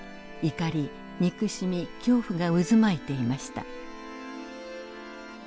怒り憎しみ恐怖が渦巻いていました。